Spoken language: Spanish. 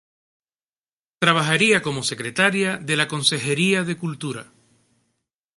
Trabajaría como secretaria de la Consejería de Cultura.